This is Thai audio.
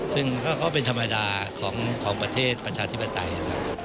ซึ่งก็เป็นธรรมดาของประเทศประชาธิปไตย